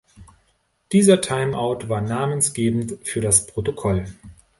Dieser Timeout war namensgebend für das Protokoll.